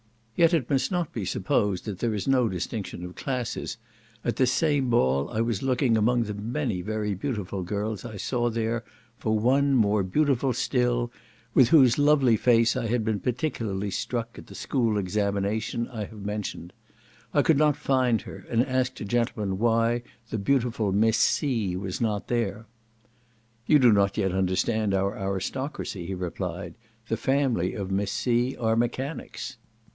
Yet it must not be supposed that there is no distinction of classes: at this same ball I was looking among the many very beautiful girls I saw there for one more beautiful still, with whose lovely face I had been particularly struck at the school examination I have mentioned. I could not find her, and asked a gentleman why the beautiful Miss C. was not there. "You do not yet understand our aristocracy," he replied, "the family of Miss C. are mechanics."